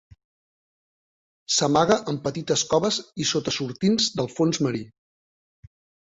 S'amaga en petites coves i sota sortints del fons marí.